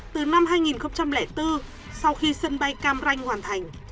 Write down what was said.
từ năm hai nghìn bốn sau khi sân bay cam ranh hoàn thành